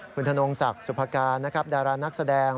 คุณถนนกศักดิ์สุภาการดารานักแสดง